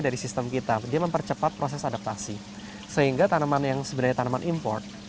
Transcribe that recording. dari sistem kita dia mempercepat proses adaptasi sehingga tanaman yang sebenarnya tanaman import